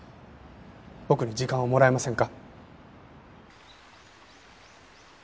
僕に時間をもらえませんか？